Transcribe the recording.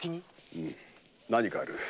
うむ何かある。